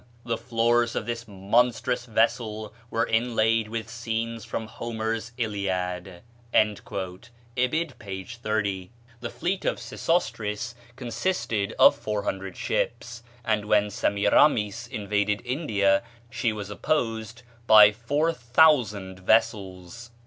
The floors of this monstrous vessel were inlaid with scenes from Homer's 'Iliad.'" (Ibid., p. 30.) The fleet of Sesostris consisted of four hundred ships; and when Semiramis invaded India she was opposed by four thousand vessels.